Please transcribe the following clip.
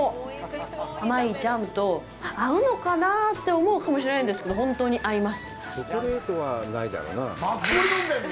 甘いジャムと合うのかなぁって思うかもしれないんですけど、ほんとに合います。